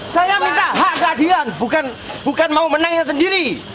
saya minta hak keadilan bukan mau menangnya sendiri